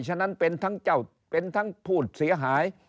ฉะนั้นเป็นทั้งเจ้าเป็นทั้งผู้เสียหาย